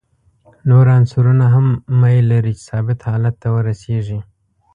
نور عنصرونه هم میل لري چې ثابت حالت ته ورسیږي.